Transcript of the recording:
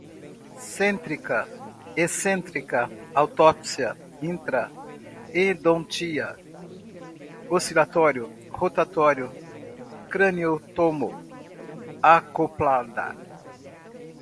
centrica, ecentrica, autopsia, intra, endodontia, oscilatório, rotatório, craniótomo, acoplada